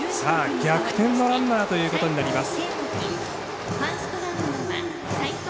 逆転のランナーということになります。